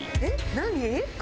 何？